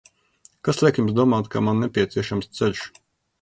Kas liek Jums domāt, ka man nepieciešams ceļš?